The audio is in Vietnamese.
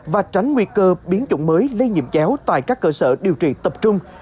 và tránh nguy cơ biến chủng mới lây nhiễm chéo tại các cơ sở điều trị tập trung